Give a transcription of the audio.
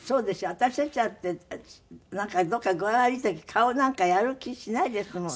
私たちだってどこか具合悪い時顔なんかやる気しないですもんね。